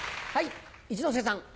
一之輔さん。